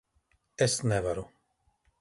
Es nevaru.